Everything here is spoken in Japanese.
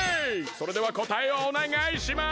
それではこたえをおねがいします！